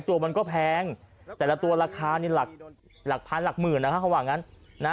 ตัวมันก็แพงแต่ละตัวราคานี่หลักพันธุ์หลักหมื่นนะคะขวางนั้น